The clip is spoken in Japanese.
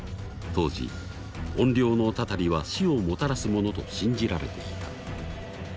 当時怨霊の祟りは死をもたらすものと信じられていた。